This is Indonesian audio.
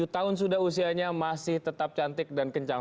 lima puluh tujuh tahun sudah usianya masih tetap cantik dan kencang